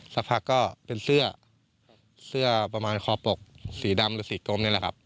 สักพักก็เป็นเสื้อเสื้อประมาณคอปกสีดำหรือสีกลมนี่แหละครับ